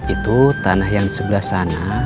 itu tanah yang sebelah sana